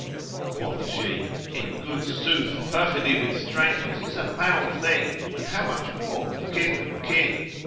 Quoth she, "In good sooth perfidy with strangers is a foul thing and how much more with kith and kin!